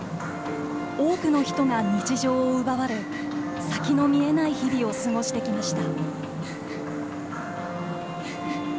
多くの人が日常を奪われ先の見えない日々を過ごしてきました。